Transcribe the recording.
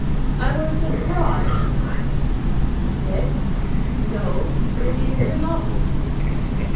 I was abroad at the time." "Sick?" "No, busy with a novel."